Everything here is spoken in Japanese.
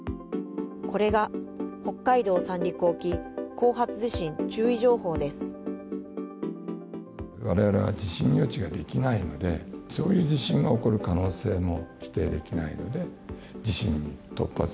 これが、北海道・三陸沖後発地震注意情報です。